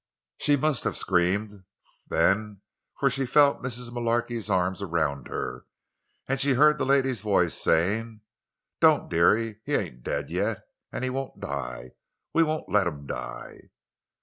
She must have screamed, then, for she felt Mrs. Mullarky's arms around her, and she heard the lady's voice, saying: "Don't, deary; he ain't dead, yet—an' he won't die—we won't let him die."